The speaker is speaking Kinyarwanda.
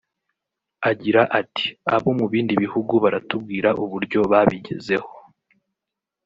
Agira ati “Abo mu bindi bihugu baratubwira uburyo babigezeho